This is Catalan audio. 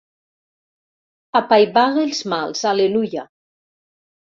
Apaivaga els mals, al·leluia!